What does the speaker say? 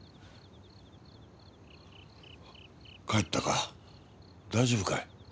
・帰ったか大丈夫かい？